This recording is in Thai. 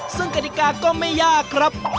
ซึ่งกฎิกาก็ไม่ยากครับ